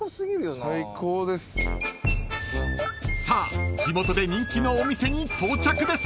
［さあ地元で人気のお店に到着です］